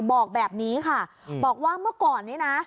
บอกแบบนี้ค่ะบอกว่าเมื่อก่อนนี้นะ